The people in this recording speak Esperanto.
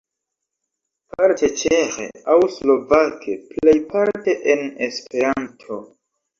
Parte ĉeĥe aŭ slovake, plejparte en Esperanto.